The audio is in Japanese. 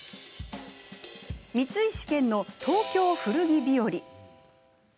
「光石研の東京古着日和」。